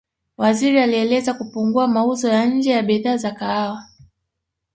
Waziri alieleza kupungua mauzo ya nje ya bidhaa za kahawa